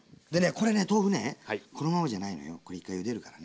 これね豆腐ねこのままじゃないのよこれ一回ゆでるからね。